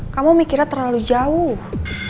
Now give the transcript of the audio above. kamu mikirnya terlalu jauh